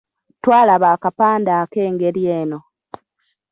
Twalaba akapande ak’engeri eno.